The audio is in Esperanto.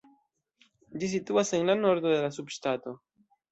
Ĝi situas en la nordo de la subŝtato.